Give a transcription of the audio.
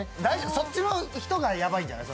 そっちの人がやばいんじゃない？